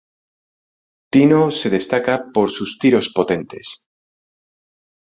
Tino se destaca por sus tiros potentes.